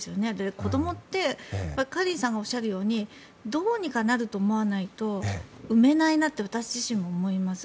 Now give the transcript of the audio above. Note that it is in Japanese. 子どもってカリンさんがおっしゃるようにどうにかなると思わないと産めないなって私自身も思います。